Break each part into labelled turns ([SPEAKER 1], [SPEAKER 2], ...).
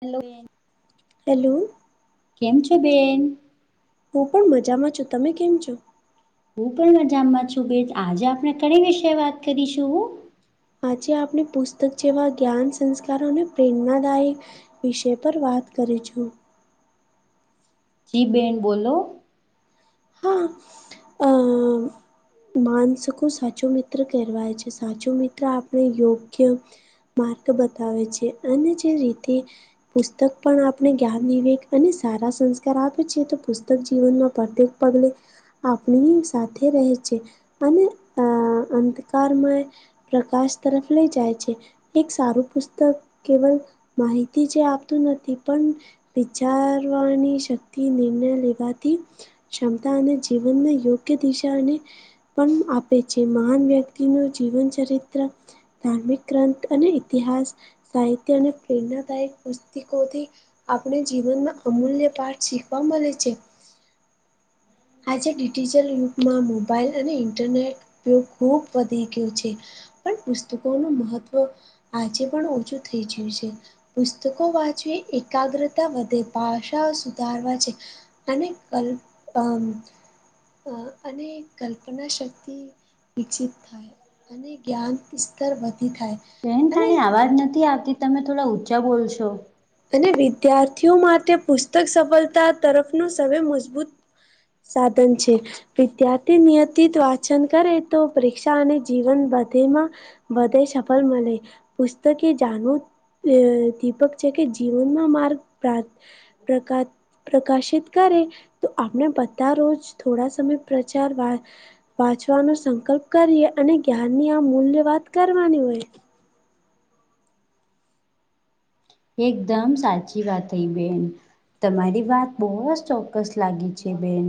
[SPEAKER 1] Hello friend,
[SPEAKER 2] hello.
[SPEAKER 1] કેમ છો બેન,
[SPEAKER 2] હું પણ મજામાં છું, તમે કેમ છો.
[SPEAKER 1] હું પણ મજામાં છું, બેન આજે આપણે ઘણી વિશે વાત કરીશું હું.
[SPEAKER 2] આજે આપણે પુસ્તક જેવા જ્ઞાન સંસ્કારોને પ્રેરણાદાયક, વિષય પર વાત કરું છું.
[SPEAKER 1] જી બેન બોલો.
[SPEAKER 2] હા. માનસિકો સાચો મિત્ર કહેવાય છે, સાચો મિત્ર આપણે યોગ્ય, માર્ક બતાવે છે, અને જે રીતે. પુસ્તક પણ આપણે જ્ઞાન વિવેક અને સારા સંસ્કાર આપે છે, તો પુસ્તક જીવનમાં પ્રત્યે. પગલે આપણી સાથે રહે છે. અને અ અંધકારમાં પ્રકાશ તરફ લઈ જાય છે. એક સારું પુસ્તક કેવલ માહિતી જે આપતું નથી, પણ. વિચારવાની શક્તિ નિર્ણય લેવાથી, ક્ષમતા અને જીવનને યોગ્ય દિશા અને, પણ છે. મહાન વ્યક્તિનું જીવનચરિત્ર, ધાર્મિક ગ્રંથ અને ઇતિહાસ સાહિત્ય અને પ્રેરણાદાયક પુસ્તકોથી, આપણે જીવનમાં અમૂલ્ય પાઠ શીખવા મળે છે. આજે ડિજિટલ યુગમાં મોબાઈલ અને ઇન્ટરનેટ ઉપયોગ ખૂબ વધી ગયો છે. પણ પુસ્તકોનું મહત્વ આજે પણ ઓછું થઈ ગયું. પુસ્તકો વાંચવે એકાગ્રતા વધે, ભાષાઓ સુધારવા છે. અને કલ પમ અ અને કલ્પના શક્તિ વીકસીત થાય. અને જ્ઞાન સ્તર વધી થાય.
[SPEAKER 1] બેહેન
[SPEAKER 2] અને
[SPEAKER 1] તાની આવાજ નથી આવતી, તમે થોડા ઊંચા બોલશો.
[SPEAKER 2] અને વિદ્યાર્થીઓ માટે પુસ્તક સફળતા તરફનું સવે મજબૂત સાધન છે. વિદ્યાર્થી નિયંતિત વાચન કરે, તો પરેક્ષા અને જીવન બધેમાં બધય સફલ મળે, પુસ્તક કે જાણુ અ દીપક છે કે જીવનમાં માર્ગ પાર પ્રકાર પ્રકાશિત કરે, તો આપને બધા રોજ થોડા સમય પ્રચાર વા વાંચવાનો સંકલ્પ કરીએ, અને જ્ઞાનની આ મૂલ્ય વાત કરવાની હોય.
[SPEAKER 1] એકદમ સાચી વાત હેઇ બેન. તમારી વાત બહુ જ ચોક્કસ લાગી છે બેન,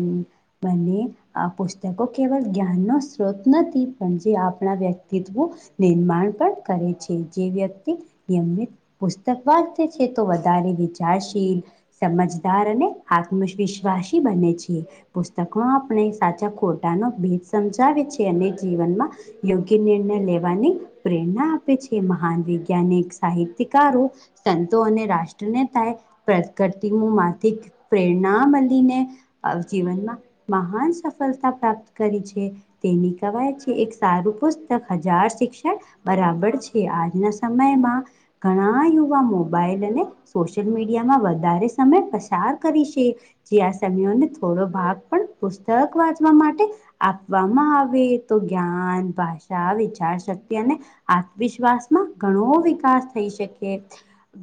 [SPEAKER 1] મને. આ પુસ્તકો કેવલ જ્ઞાનનો સ્ત્રોત નથી, પણ જે આપણા વ્યક્તિત્વ નિર્માણ પણ કરે છે, જે વ્યક્તિ નિયમિત [unintelligible] છે તો વધારે વિચારશે સમજદાર અને આત્મવિશ્વાસી બને છે. પુસ્તકમાં આપણે સાચા ખોટાનો ભેદ સમજાવે છે, અને જીવનમાં યોગ્ય નિર્ણય લેવાની પ્રેરણા આપે છે, મહાન વૈજ્ઞાનિક, સાહિત્યકારો. સંતો અને રાષ્ટ્ર નેતા એ પ્રકતિ માંથી પ્રેરણા મળીને અ જીવનમાં મહાન સફળતા પ્રાપ્ત કરી છે. તેની કવાય છે, એક સારું પુસ્તક હજાર શિક્ષક બરાબર છે, આજના સમયમાં ઘણા યુ યુવા મોબાઈલ અને સોશિયલ મીડિયામાં વધારે સમય પસાર કરી શે. જે આ સમયને થોડો ભાગ પણ પુસ્તક વાંચવા માટે આપવામાં આવે, તો જ્ઞાન, ભાષા, વિચાર શક્તિ અને આત્મવિશ્વાસમાં ઘણો વિકાસ થઈ શકે.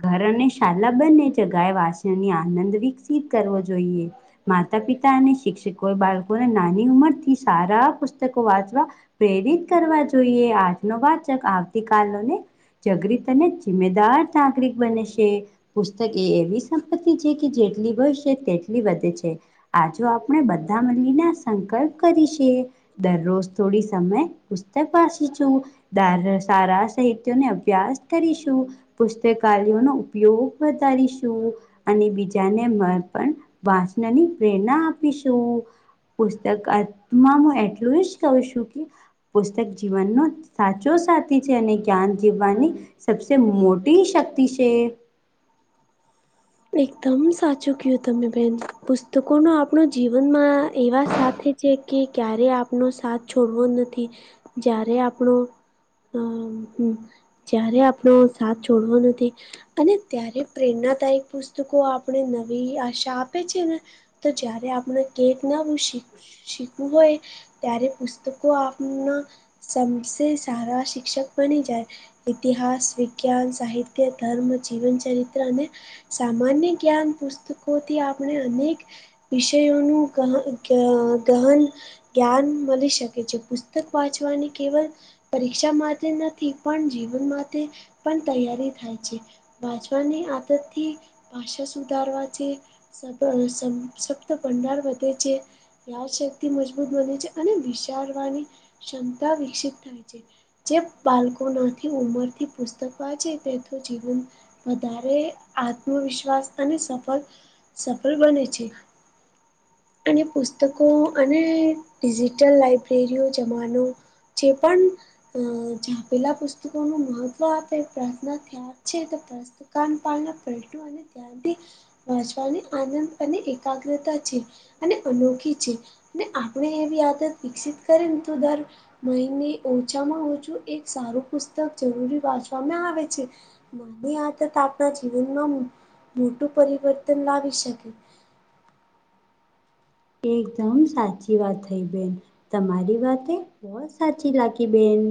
[SPEAKER 1] ઘર અને શાલા બંને જગાએ વાસોની આનંદ વિકસિત કરવો જોઈએ. માતા પિતા અને શિક્ષકોએ બાળકોને નાની ઉંમરથી સારા પુસ્તકો વાંચવા પ્રેરિત કરવા જોઈએ, આજનો વાચક આવતી કાલનો ને જગરીત અને જિમ્મેદાર નાગરિક બનસે. પુસ્તક એ એવી સંપત્તિ છે કે, જેટલી બનશે તેટલી વધે છે. આજો આપણે બધા મળીને આ સંકલ્પ કરીસે, દરરોજ થોડી સમય પુસ્તક વાંચીશું ડાર સારા સાહિત્યને અભ્યાસ કરીશું. પુસ્તકાલયોનો ઉપયોગ વધારીશું. અને બીજાને મ પણ વાંચવાની પ્રેરણા આપીશું. પુસ્તક અર્થમાં હું એટલુંસ કઉ સુ કે પુસ્તક જીવનનો સાચો સાથી છે, અને જ્ઞાન જીવાની સબસે મો ટી શક્તિ છે.
[SPEAKER 2] એકદમ સાચું કયું તમે બેન. પુસ્તકોનો આપણો જીવનમાં એવા સાથે છે કે, ક્યારે આપનો સાથ છોડવો નથી, જ્યારે આપણો અ જ્યારે આપણો સાથ છોડવા નથી અને ત્યારે પ્રેરણાદાયી પુસ્તકો આપણે નવી આશા આપે છે ને તો જય્યારે આપણે કેઈક નવું શીખવું હોય ત્યારે પુસ્તકો આપના સબસે સારા શિક્ષક બની જાય. ઇતિહાસ, વિજ્ઞાન, સાહિત્ય, ધર્મ, જીવન ચરિત્ર અને સામાન્ય જ્ઞાન પુસ્તકોથી આપણે અનેક વિષયોનું ગહ ગહન જ્ઞાન મળી શકે છે. પુસ્તક વાંચવાની કેવલ પરીક્ષા માટે નથી પણ જીવન માટે પણ તૈયારી થાય છે. વાંચવાને આપડા થી ભાષા સુધારવા છે [unintelligible] ભણનાર વધે છે. યાદશક્તિ મજબૂત બને છે અને વિચારવાની ક્ષમતા વિકસિત થાય છે. જે બાળકો નાથી ઉંમર થી પુસ્તક વાંચે તે તો જીવન વધારે આત્મવિશ્વાસ અને સફળ સફળ બને છે. અને પુસ્તકો અને ડિજિટલ લાઇબ્રેરીઓ જમાનો જે પણ [unintelligible] પુસ્તકો નો મહત્વ આપે [unintelligible] યાદ છે તો [unintelligible] પલટો અને ત્યાં બી પહોચવાની આનંદ અને એકાગ્રતા છે. અને અનોખી છે અને આપણે એવી આદત વિકસિત કરીને [unintelligible] મહિને ઓછામાં ઓછું એક સારું પુસ્તક જરૂરી વાંચવામાં આવે છે. નાની આદત આપણા જીવનમાં મોટું પરિવર્તન લાવી શકે.
[SPEAKER 1] એકદમ સાચી વાત થઈ બેન, તમારી વાતે બવ સાચી લાગી બેન.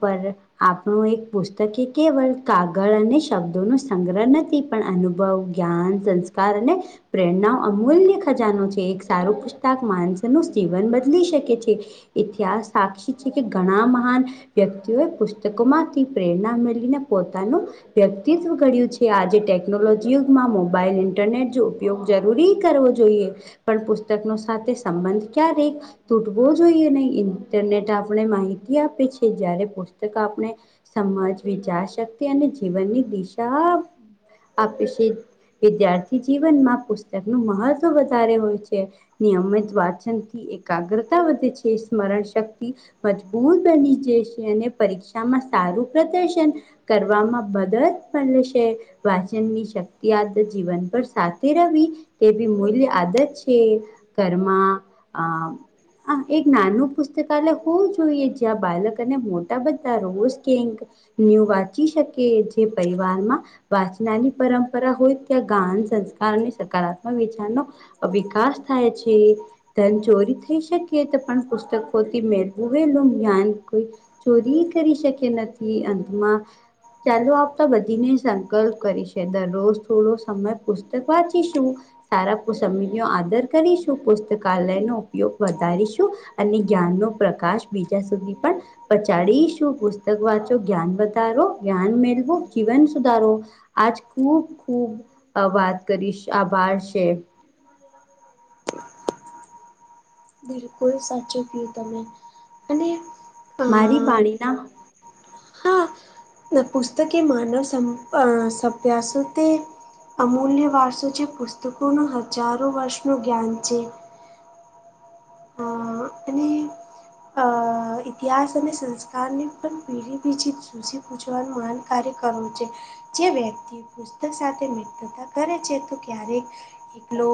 [SPEAKER 1] પર આપણું એક પુસ્તક એ કેવલ કાગળ અને શબ્દોનો સંગ્રહ નથી પણ અનુભવ, જ્ઞાન, સંસ્કાર અને પ્રેરણા અમૂલ્ય ખજાનો છે. એક સારું પુસ્તાક માનસનું જીવન બદલી શકે છે. ઇતિહાસ સાક્ષી છે કે ઘણા મહાન વ્યક્તિઓએ પુસ્તકોમાંથી પ્રેરણા મેળવીને પોતાનું વ્યક્તિત્વ ઘડ્યું કે આજે ટેકનોલોજી યુગમાં મોબાઈલ ઇન્ટરનેટ જો ઉપયોગ જરૂરી કરવો જોઈએ. પણ પુસ્તકનો સાથે સંબંધ ક્યારેક તૂટવો જોઈએ નહી ઇન્ટરનેટ આપણે માહિતી આપે છે જયારે પુસ્તક આપણે સમજ, વિચાર શક્તિ અને જીવનની દિશા આપે છે. વિદ્યાર્થી જીવનમાં પુસ્તકનું મહત્વ વધારે હોય છે નિયમિત વાચનથી એકાગ્રતા વધે છે. સ્મરણ શક્તિ મજબૂત બની જશે અને પરીક્ષામાં સારું પ્રદર્શન કરવામાં મદદ મલે સે. વાચનની શક્તિ આદત જીવન પર સાથે રવી તેવી મૂલ્ય આદત કે કરમાં અ આ એક નાનું પુસ્તકાલય હોવું જોઈએ જ્યાં બાલક અને મોટા બધા રોઝ કેક એવું વાંચી શકે જે પરિવારમાં વાચનાની પરંપરા હોય ત્યાં ગાન સંસ્કાર અને સકારાત્મક વિચારનો વિકાસ થાય છે. ધન ચોરી થઈ શકે તો પણ પુસ્તકોથી મેવેલું જ્ઞાન ચોરી કરી શકે નથી અંતમાં ચાલો આપતા બધીને સંકલ્પ કરી છે દરરોજ થોડો સમય પુસ્તક વાંચીશું. સારા પુસ સમ આદર કરીશું પુસ્તકાલયનો ઉપયોગ વધારીશું અને જ્ઞાનનો પ્રકાશ બીજા સુધી પણ પછાડીશું પુસ્તક વાંચો જ્ઞાન વધારો જ્ઞાન મેળવું જીવન સુધારો. આજ ખુબ ખુબ અહ વાત કરીશ આભાર છે.
[SPEAKER 2] બિલકુલ સાચું કયું તમે અને અ
[SPEAKER 1] મારી પાણીના
[SPEAKER 2] એ પુસ્તકેે માનવ સં અહ સભ્યાસ તે અમૂલ્ય વારસો છે પુસ્તકોનું હજારો વર્ષનું જ્ઞાન છે. અ અહ ઇતિહાસ અને સંસ્કારને પણ પીઢી બીજી સુૂઝી પૂછવાનું મહાન કાર્ય કરવું છે. જે વ્યક્તિ પુસ્તક સાથે મિત્રતા કરે છે તો ક્યારેક એકલો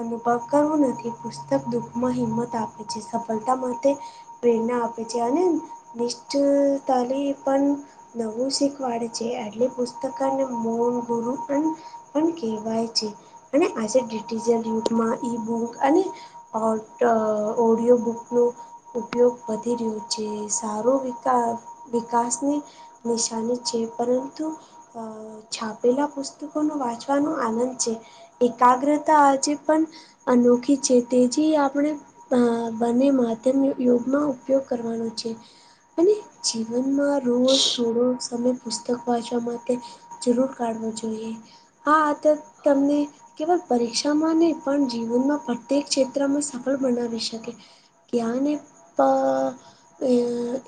[SPEAKER 2] અનુભવ કરવો નથી પુસ્તક દુઃખમાં હિંમત આપે છે સફલતા માટે પ્રેરણા આપે છે અને નિશ્ચતાલી પણ નવું શીખવાડે છે એટલે પુસ્તકને મૂળ ગુરુ અને પણ કેવાય છે અને આજે ડીટીજલ યુગમાં ઈ બુક અને ઓડ અહ ઓડિયો બુક નો ઉપયોગ વધ ધી રહ્યું છે સારું વિકાસ વિકાસની નિશાની છે પરંતુ અહ અહ છાપેલા પુસ્તકોનો વાંચવાનો આનંદ છે. એકાગ્રતા આજે પણ અનોખી છે તેજી આપણે અહ બને માધ્યમ યુગનો ઉપયોગ કરવાનો છે અને જીવનમાં રોજ થોડો સમય પુસ્તક વાંચવા માટે જરૂર કાઢવો જોઈએ. આ હા તો તમને કેવલ પરીક્ષામાં ને પણ જીવનમાં પ્રત્યેક ક્ષેત્રમાં સફળ બનાવી શકે. ક્યાં ને અહ એ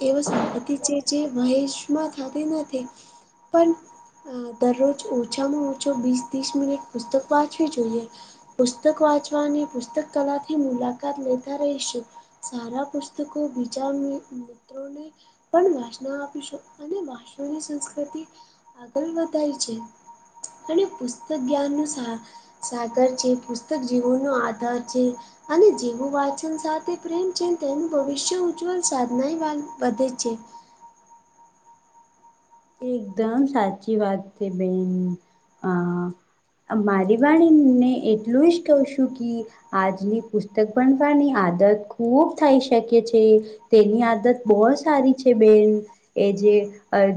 [SPEAKER 2] એવી સંપત્તિ છે જે વહેશમાં થતી નથી. પણ અહ દરરોજ ઓછામાં ઓછો વીસ ત્રીસ મિનિટ પુસ્તક વાંચવી જોઈએ. પુસ્તક વાંચવાની પુસ્તક કલાાથી મુલાકાત લેતા રહીશું સારા પુસ્ત તકો બીજા મિ મિત્રોને પણ વાસનાવ આપીશું અને વાસનવની સંસ્કૃતિ આગળ વધાય છે. અને પુસ્તક જ્ઞાનનું સાગ સાગર છે પુસ્તક જીવનનો આધાર છે. અને જેવું વાંચન સાથે પ્રેમ છે તેમ ભવિષ્ય ઉજ્જવળ સાધનાય વાધ વધે છે.
[SPEAKER 1] એકદમ સાચી વાત છે બેન અહ અહ મારી વાણીને એટલું જ કહું છું કી આજની પુસ્તક પણ ભણી આદત ખૂબ થઇ શકે છે. તેની આદત બહુ સારી છે બેન એ જે અજ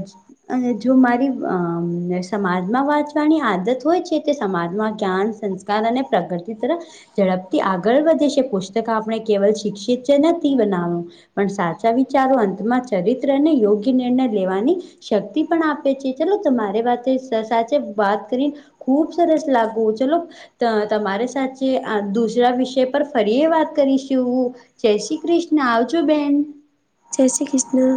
[SPEAKER 1] અને જો મારી અમ્મ સમાજમાં વાંચવાની આદત હોય છે એટલે સમાજમાં જ્ઞાન સંસ કાર અને પ્રગતિ તરફ ઝડપથી આગળ વધે છે પુસ્તક આપણે કેવળ શિક્ષિત જ નથી બનાવું પણ સાચાં વિચારો અંતમાં ચરિત્રને યોગ્ય નિર્ણય લેવાની શક્તિ પણ આપે છે. ચલો તમારી વાતે સાચે વાત કરી ખૂબ સરસ લાગુ ચલો ત તમારી સાચે આ દુસરા વિષય પર ફરીએ વાત કરીશું. જય શ્રી કૃષ્ણા આવજો બેન.
[SPEAKER 2] જય શ્રી કૃષ્ણ.